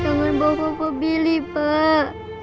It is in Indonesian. jangan bawa bapak bapak pilih pak